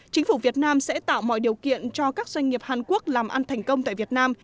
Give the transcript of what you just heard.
chính phủ việt nam sẽ tạo mọi điều kiện cho các doanh nghiệp hàn quốc làm ăn thành công tại việt nam